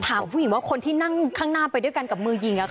ถามผู้หญิงว่าคนที่นั่งข้างหน้าไปด้วยกันกับมือยิง